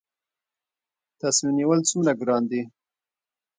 تصمیم نیول څومره ګران دي؟